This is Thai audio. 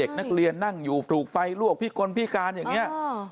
เบียนนั่งอยู่ถูกไฟรวกพี่คนพี่กันอย่างนี้